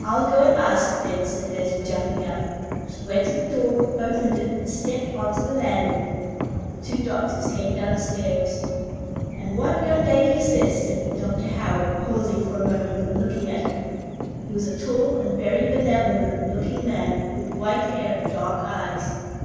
"I'll go and ask, then," said Leslie, jumping up. She went to the door, opened it, and stepped on to the landing. The two doctors came downstairs. "And what young lady is this?" said Dr. Howard, pausing for a moment and looking at her. He was a tall and very benevolent looking man, with white hair and dark eyes.